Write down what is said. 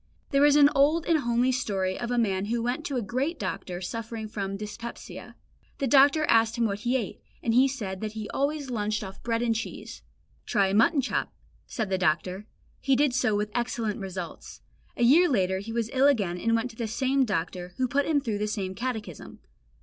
There is an old and homely story of a man who went to a great doctor suffering from dyspepsia. The doctor asked him what he ate, and he said that he always lunched off bread and cheese. "Try a mutton chop," said the doctor. He did so with excellent results. A year later he was ill again and went to the same doctor, who put him through the same catechism.